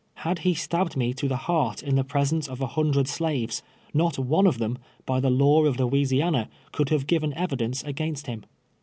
Had he stabbed me to the heart in the presence of a hundred slaves, not one of them, by the laws of Louisiana, could have given evidence against him.